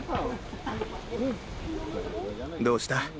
どうした？